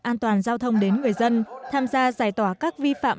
an toàn giao thông đến người dân tham gia giải tỏa các vi phạm